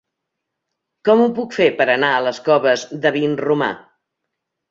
Com ho puc fer per anar a les Coves de Vinromà?